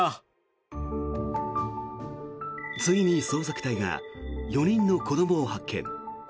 ついに捜索隊が４人の子どもを発見。